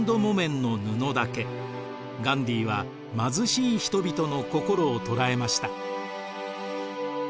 ガンディーは貧しい人々の心を捉えました。